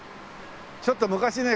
ちょっと昔ね